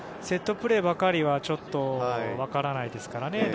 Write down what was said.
セットプレーばかりはちょっと、分からないですからね